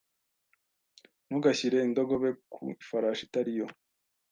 Ntugashyire indogobe ku ifarashi itari yo.